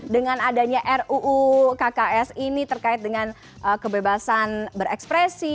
dengan adanya ruu kks ini terkait dengan kebebasan berekspresi